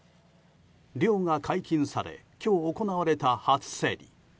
漁が解禁され今日行われた初競り。